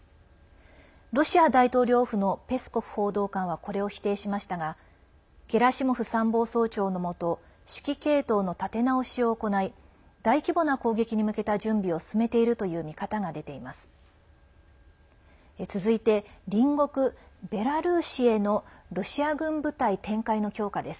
ロシア大統領府のペスコフ報道官はこれを否定しましたがゲラシモフ参謀総長のもと指揮系統の立て直しを行い大規模な攻撃に向けた準備を進めているという見方が出ています。